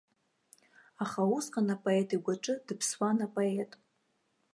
Аха усҟан апоет игәаҿы дыԥсуан апоет.